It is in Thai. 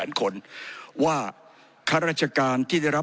ผมจะขออนุญาตให้ท่านอาจารย์วิทยุซึ่งรู้เรื่องกฎหมายดีเป็นผู้ชี้แจงนะครับ